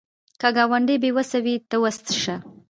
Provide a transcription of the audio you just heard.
که ګاونډی بې وسه وي، ته وس شه